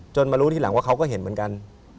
มารู้ทีหลังว่าเขาก็เห็นเหมือนกัน